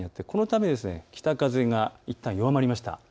このため北風がいったん弱まりました。